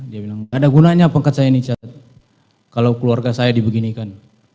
dia bilang ada gunanya pangkat saya ini kalau keluarga saya dibeginikan